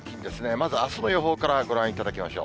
まずあすの予報からご覧いただきましょう。